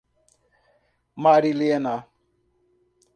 Marilena